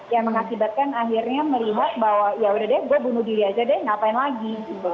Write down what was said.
yang mengakibatkan akhirnya melihat bahwa yaudah deh gue bunuh diri aja deh ngapain lagi